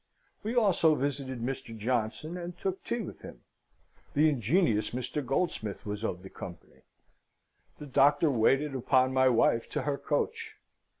We also visited Mr. Johnson, and took tea with him (the ingenious Mr. Goldsmith was of the company); the Doctor waited upon my wife to her coach.